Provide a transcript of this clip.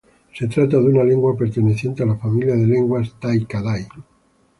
Se trata de una lengua perteneciente a la familia de lenguas tai-kadai.